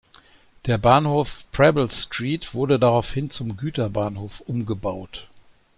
Der Bahnhof Preble Street wurde daraufhin zum Güterbahnhof umgebaut.